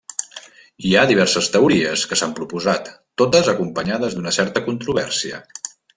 Hi ha diverses teories que s'han proposat, totes acompanyades d'una certa controvèrsia.